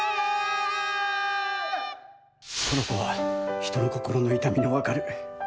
この子は人の心の痛みの分かる